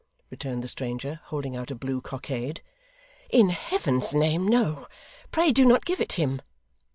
returned the stranger, holding out a blue cockade. 'In Heaven's name, no. Pray do not give it him!